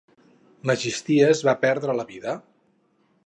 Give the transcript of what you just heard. Megisties va perdre la vida?